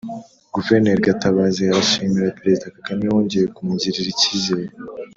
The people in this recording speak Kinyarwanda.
guverineri gatabazi arashimira perezida kagame wongeye kumugirira icyizere